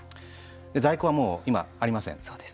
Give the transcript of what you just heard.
在庫はもう今ありません。